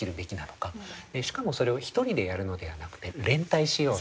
しかもそれを一人でやるのではなくて連帯しようと。